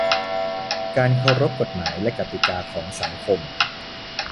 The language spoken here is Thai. การเคารพกฎหมายและกติกาของสังคม